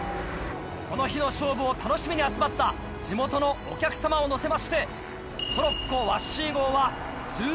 この日の勝負を楽しみに集まった地元のお客様を乗せまして。